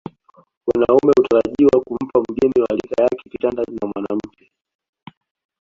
Wanaume hutarajiwa kumpa mgeni wa rika yake kitanda na mwanamke